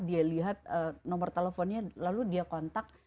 dia lihat nomor teleponnya lalu dia kontak